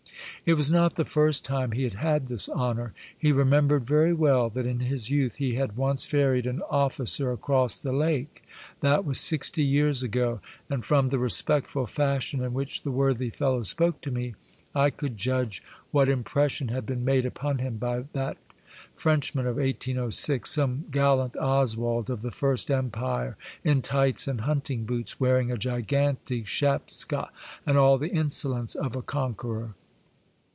It was not the first time he had had this honor. He remembered very well that in his youth he had once ferried an officer across the lake. That was sixty years ago, and from the respectful fashion in which the worthy fellow spoke to me, I could judge what impression had been made upon him by that Frenchman of 1806, some gallant Oswald of the First Empire, in tights and hunting boots, wearing a gigantic schapska, and all the insolence of a con queror